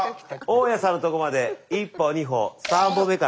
大家さんのとこまで１歩２歩。